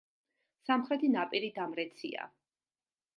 სამხრეთი ნაპირი დამრეცია.